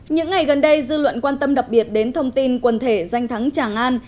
những ngày gần đây dư luận quan tâm đặc biệt đến thông tin quần thể danh thắng tràng an